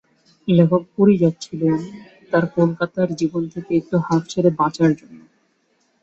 লেখক পুরি যাচ্ছিলেন তাঁর কলকাতার জীবন থেকে একটু হাফ ছেড়ে বাঁচার জন্য।